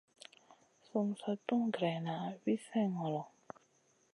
Sum sa tun greyna wi slèh ŋolo.